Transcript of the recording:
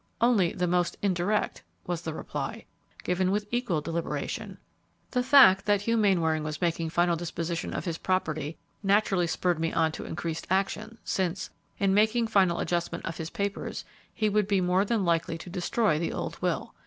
"Only the most indirect," was the reply, given with equal deliberation. "The fact that Hugh Mainwaring was making final disposition of his property naturally spurred me on to increased action, since, in making final adjustment of his papers, he would be more than likely to destroy the old will.